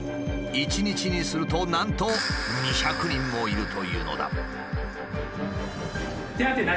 一日にするとなんと２００人もいるというのだ。